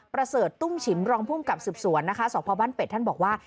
ประเสริฐตุ้มฉิมรองภูมิกับสืบสวนนะคะสพบ้านเป็ดท่านบอกว่า